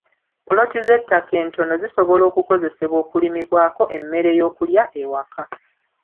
Poloti z'ettaka entono zisobola okukozesebwa okulimibwako emmere y'okulya ewaka.